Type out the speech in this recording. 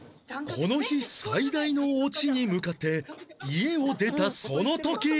この日最大のオチに向かって家を出たその時